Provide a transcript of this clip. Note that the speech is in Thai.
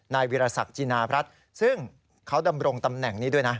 วิรสักจินารัฐซึ่งเขาดำรงตำแหน่งนี้ด้วยนะ